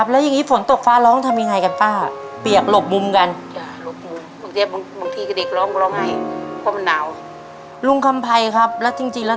ลุงคำภัยครับแล้วจริงจริง